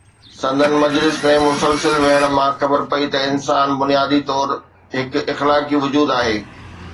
سندن مجلس ۾ مسلسل ويهڻ مان خبر پئي ته انسان بنيادي طور هڪ اخلاقي وجود آهي.